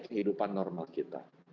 kehidupan normal kita